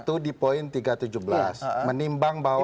itu di poin tiga ratus tujuh belas menimbang bahwa